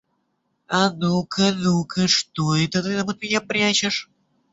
А ну-ка, ну-ка, что это ты там от меня прячешь?